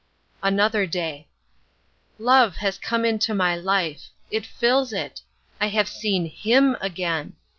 Another Day. Love has come into my life. It fills it. I have seen HIM again.